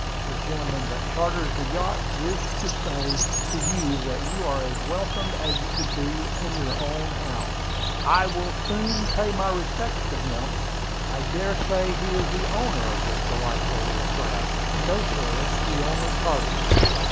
The gentleman that charters the yacht wished me to say to you that you are as welcome as you could be in your own house." "I will soon pay my respects to him. I dare say he is the owner of this delightful little craft." "No, sir; he only charters her."